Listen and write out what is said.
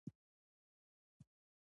نوې څېړنه تر دوه زره نولسم پورې ده.